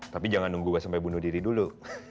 tapi jangan nunggu gue sampai bunuh diri dulu